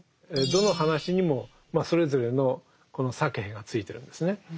どの話にもそれぞれのこのサケヘがついてるんですね。